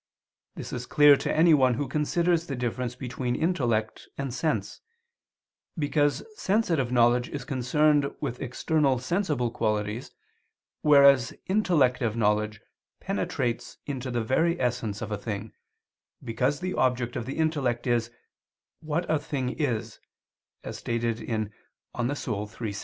This is clear to anyone who considers the difference between intellect and sense, because sensitive knowledge is concerned with external sensible qualities, whereas intellective knowledge penetrates into the very essence of a thing, because the object of the intellect is "what a thing is," as stated in De Anima iii, 6.